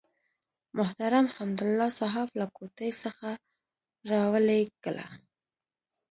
محترم حمدالله صحاف له کوټې څخه راولېږله.